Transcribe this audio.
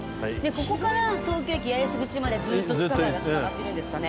ここから東京駅八重洲口までずっと地下街がつながってるんですかね？